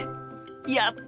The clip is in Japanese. やった！